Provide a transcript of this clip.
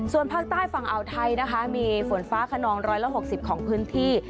ส่วนภาคใต้ฝั่งอาวไทยนะคะมีฝนฟ้าคนองร้อยละหกสิบของพื้นที่